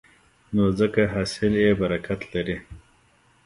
نو ځکه حاصل یې برکت لري.